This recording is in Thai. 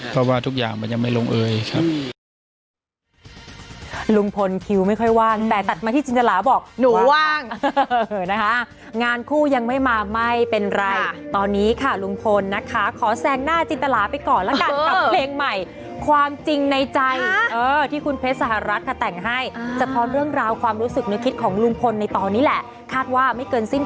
เพราะว่าทุกอย่างมันยังไม่ลงเอยครับ